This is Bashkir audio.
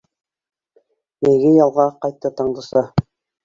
Йәйге ялға ҡайтты Таңдыса.